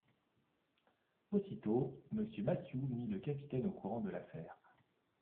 Aussitôt, Mr. Mathew mit le capitaine au courant de l’affaire.